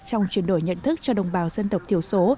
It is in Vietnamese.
trong chuyển đổi nhận thức cho đồng bào dân tộc thiểu số